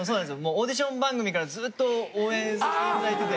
オーディション番組からずっと応援させて頂いてて。